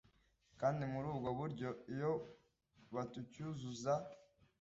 kandi muri ubwo buryo iyo batacyuzuza